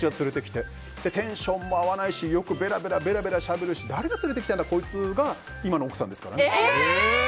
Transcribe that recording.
テンションも合わないしよくベラベラしゃべるし誰が連れてきたんだこいつが今の奥さんですからね。